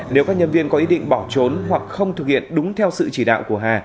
nếu các nhân viên có ý định bỏ trốn hoặc không thực hiện đúng theo sự chỉ đạo của hà